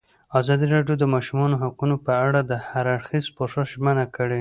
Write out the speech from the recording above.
ازادي راډیو د د ماشومانو حقونه په اړه د هر اړخیز پوښښ ژمنه کړې.